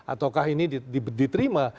ataukah ini diterima